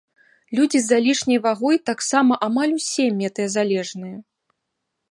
Людзі з залішняй вагой таксама амаль усе метэазалежныя.